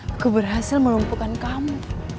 aku berhasil melumpuhkan kamu